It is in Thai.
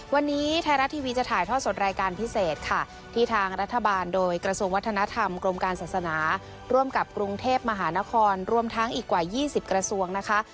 วันนี้ไทยรัฐทีวีจะถ่ายทอดสดรายการพิเศษค่ะที่ทางรัฐบาลโดยกระทรวงวัฒนธรรมกรมการศาสนาร่วมกับกรุงเทพมหานครรวมทั้งอีกกว่า๒๐กระทรวงนะคะ